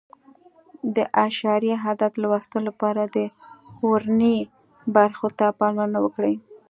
د اعشاري عدد لوستلو لپاره د ورنیې برخو ته پاملرنه وکړئ.